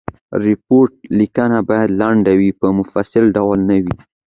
د ریپورټ لیکنه باید لنډ وي په مفصل ډول نه وي.